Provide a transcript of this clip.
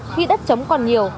khi đất chống còn nhiều